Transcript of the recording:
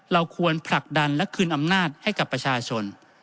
เราควรผลักดันและคืนอำนาจให้กับประชาชน